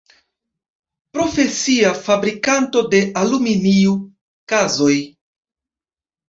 Profesia fabrikanto de aluminio kazoj.